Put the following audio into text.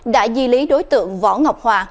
đã di lý đối tượng võ ngọc hòa